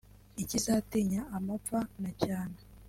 ntikizatinya amapfa nacyana